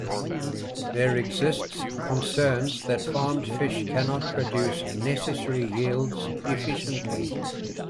There exists concerns that farmed fish cannot produce necessary yields efficiently.